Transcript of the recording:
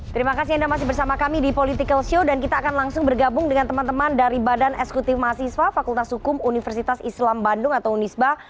terima kasih anda masih bersama kami di political show dan kita akan langsung bergabung dengan teman teman dari badan eksekutif mahasiswa fakultas hukum universitas islam bandung atau unisba